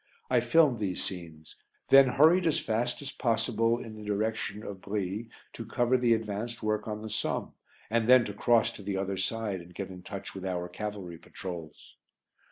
I filmed these scenes; then hurried as fast as possible in the direction of Brie to cover the advanced work on the Somme, and then to cross to the other side and get in touch with our cavalry patrols.